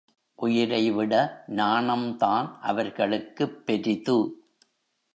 உயிரைவிட நாணம்தான் அவர்களுக்குப் பெரிது.